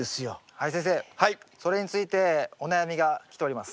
はい先生それについてお悩みが来ております。